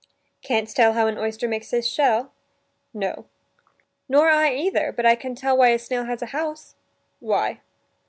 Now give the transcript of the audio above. "Canst tell how an oyster makes his shell?" "No." "Nor I either; but I can tell why a snail has a house." "Why?"